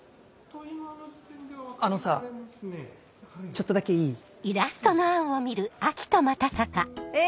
あのさちょっとだけいい？え！